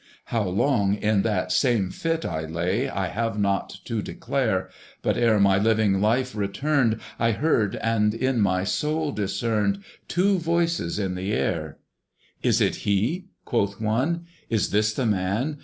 How long in that same fit I lay, I have not to declare; But ere my living life returned, I heard and in my soul discerned Two VOICES in the air. "Is it he?" quoth one, "Is this the man?